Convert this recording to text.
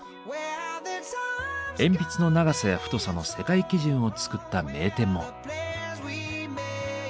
鉛筆の長さや太さの世界基準を作った名店も。